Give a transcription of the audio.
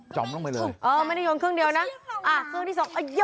จมลงไปเลยไม่ได้ยนต์ครึ่งเดียวนะอ่ะครึ่งที่๒